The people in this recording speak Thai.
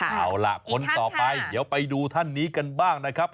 เอาล่ะคนต่อไปเดี๋ยวไปดูท่านนี้กันบ้างนะครับ